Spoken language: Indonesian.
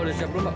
udah siap mak